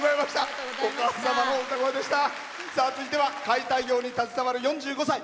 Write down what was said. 続いては解体業に携わる４５歳。